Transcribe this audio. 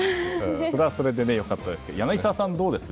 それはそれで良かったですけど柳澤さん、どうです？